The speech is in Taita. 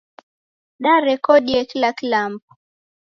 Darekodie kila kilambo.